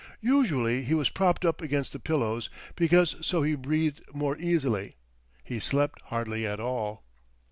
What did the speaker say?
Usually he was propped up against pillows, because so he breathed more easily. He slept hardly at all.